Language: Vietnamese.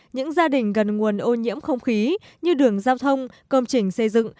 những gia đình gần nguồn ô nhiễm không khí như đường giao thông công trình xây dựng